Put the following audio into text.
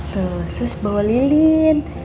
tuh sus bawa lilin